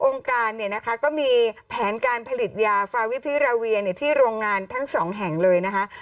การเนี่ยนะคะก็มีแผนการผลิตยาฟาวิพิราเวียที่โรงงานทั้งสองแห่งเลยนะคะ